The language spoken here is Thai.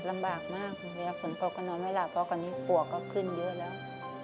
ลำบากมากฝนเกาะก็นอนไม่หลับเพราะกันนี้ปั่วก็ขึ้นเยอะแล้ว